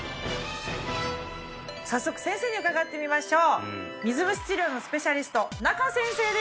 早速先生に伺ってみましょう水虫治療のスペシャリスト仲先生です